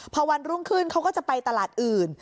พอวันรุ่งขึ้นเขาก็จะไปตลาดอื่น